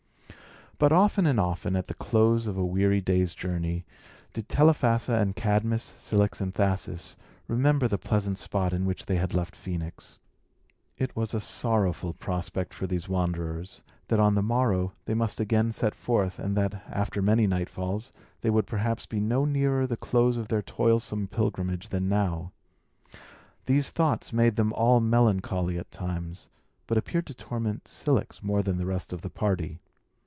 But often and often, at the close of a weary day's journey, did Telephassa and Cadmus, Cilix and Thasus, remember the pleasant spot in which they had left Phœnix. It was a sorrowful prospect for these wanderers, that on the morrow they must again set forth, and that, after many nightfalls, they would perhaps be no nearer the close of their toilsome pilgrimage than now. These thoughts made them all melancholy at times, but appeared to torment Cilix more than the rest of the party.